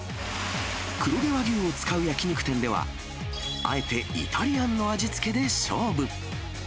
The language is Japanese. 黒毛和牛を使う焼き肉店では、あえてイタリアンの味付けで勝負。